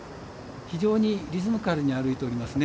非常にリズミカルに歩いておりますね。